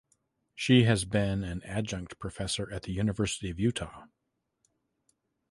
She has been an adjunct professor at the University of Utah.